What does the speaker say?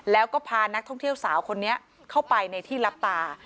แล้วก็พานักท่องเที่ยวสาวคนนี้เข้าไปในที่รับตา